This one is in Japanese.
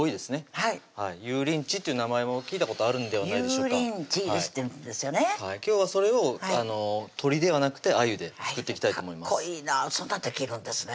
はい油淋鶏という名前も聞いたことあるんではないでしょうか今日はそれを鶏ではなくてあゆで作っていきたいと思いますかっこいいなそんなんできるんですね